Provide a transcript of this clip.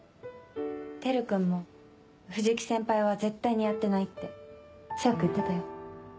テル君も「藤木先輩は絶対にやってない」って強く言ってたよ。